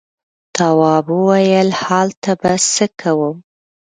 تواب وويل: هلته به څه کوم.